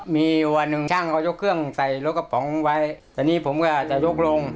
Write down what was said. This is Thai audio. มีวันหนึ่งช่างเขายกเครื่องใส่รถกระป๋องไว้ตอนนี้ผมก็จะยกลง